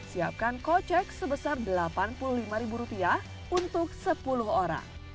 siapkan kocek sebesar delapan puluh lima untuk sepuluh orang